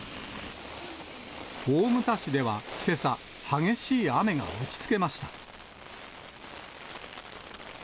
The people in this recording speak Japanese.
大牟田市ではけさ、激しい雨が打ちつけました。